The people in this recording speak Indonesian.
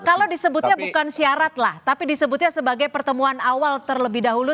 kalau disebutnya bukan syarat lah tapi disebutnya sebagai pertemuan awal terlebih dahulu